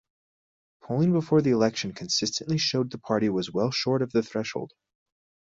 Polling before the election consistently showed the party was well short of the threshold.